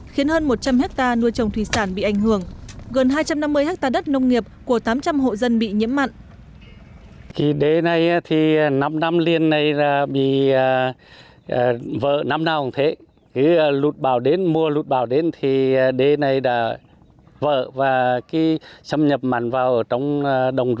khiến hơn một trăm linh hectare nuôi trồng thủy sản bị ảnh hưởng gần hai trăm năm mươi hectare đất nông nghiệp của tám trăm linh hộ dân bị nhiễm mặn